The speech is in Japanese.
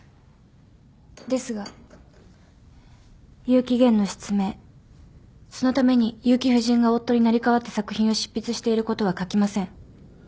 ですが結城玄の失明そのために結城夫人が夫に成り代わって作品を執筆していることは書きません。